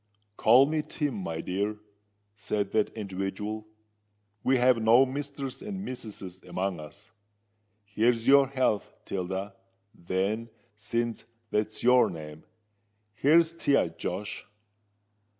"Call me Tim, my dear," said that individual "We have no misters and missuses among us. Here's your health, Tilda, then—since that's your name: here's to ye, Josh."